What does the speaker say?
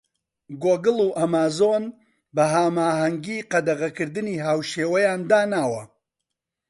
گۆگڵ و ئەمازۆن بە هەماهەنگی قەدەغەکردنی هاوشێوەیان داناوە.